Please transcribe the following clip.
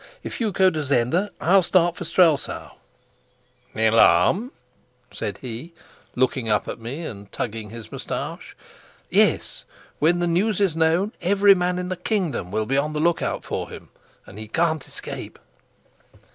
If you'll go to Zenda, I'll start for Strelsau." "The alarm?" said he, looking up at me and tugging his moustache. "Yes: when the news is known, every man in the kingdom will be on the lookout for him, and he can't escape."